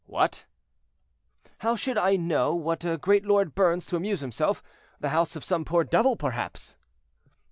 "What?" "How should I know what a great lord burns to amuse himself; the house of some poor devil, perhaps."